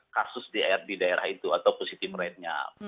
kasus di daerah itu atau positive rate nya